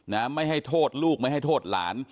ไม่ให้โทษลูกไม่ให้โทษหลาน